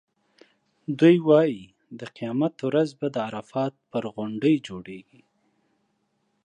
دوی وایي د قیامت ورځ به د عرفات پر غونډۍ جوړېږي.